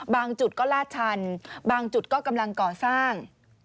จุดก็ลาดชันบางจุดก็กำลังก่อสร้าง